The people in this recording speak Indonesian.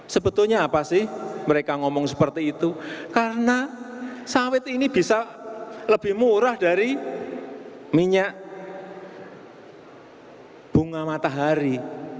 kita harus berdikari di bidang ekonomi